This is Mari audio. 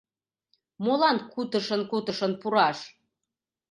Молан кутышын-кутышын пураш?